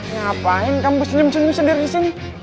ngapain kamu senyum senyum sendiri disini